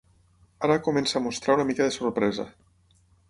Ara comença a mostrar una mica de sorpresa.